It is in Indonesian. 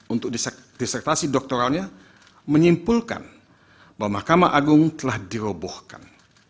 untuk disertasi doktoralnya menyimpulkan bahwa mahkamah agung telah dirobohkan